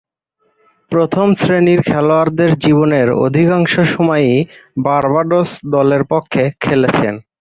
প্রথম-শ্রেণীর খেলোয়াড়ী জীবনের অধিকাংশ সময়ই বার্বাডোস দলের পক্ষে খেলেছেন।